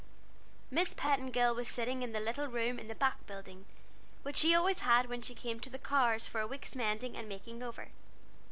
Miss Petingill was sitting in the little room in the back building, which she always had when she came to the Carr's for a week's mending and making over.